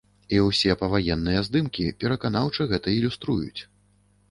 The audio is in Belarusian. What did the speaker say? І ўсе паваенныя здымкі пераканаўча гэта ілюструюць.